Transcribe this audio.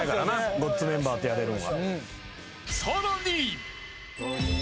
ごっつメンバーとやれるんは。